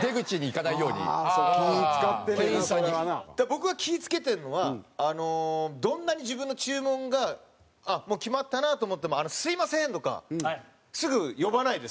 僕が気ぃ付けてるのはどんなに自分の注文があっ決まったなと思っても「すみません！」とかすぐ呼ばないですね。